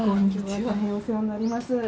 今日は大変お世話になります。